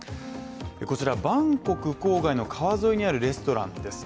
こちらバンコク郊外の川沿いにあるレストランです。